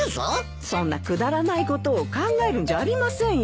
そんなくだらないことを考えるんじゃありませんよ。